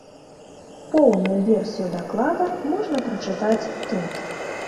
Поўную версію даклада можна прачытаць тут.